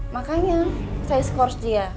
makanya saya scourse dia